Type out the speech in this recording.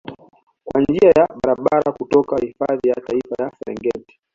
kwa njia ya barabara kutoka hifadhi ya Taifa ya Serengeti